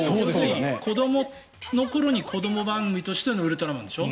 子どもの頃に子ども番組としての「ウルトラマン」でしょ。